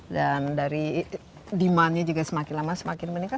dan dari demandnya juga semakin lama semakin meningkat